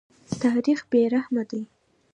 تاریخ بې رحمه دی.